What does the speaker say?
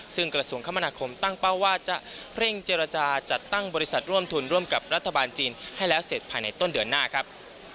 ซึ่งกระทรวงคมนาคมตั้งเป้าว่าจะเร่งเจรจาจัดตั้งบริษัทร่วมทุนร่วมกับรัฐบาลจีนให้แล้วเสร็จภายในต้นเดือนหน้าครับ